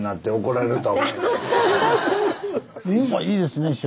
今いいですね。